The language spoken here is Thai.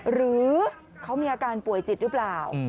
หรือเขามีอาการป่วยจิตหรือเปล่า